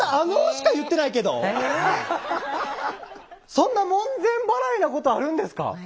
そんな門前払いなことあるんですか？